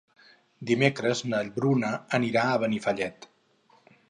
Dimecres na Bruna anirà a Benifallet.